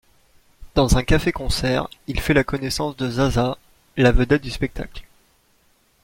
Dans un café-concert, il fait la connaissance de Zazà, la vedette du spectacle.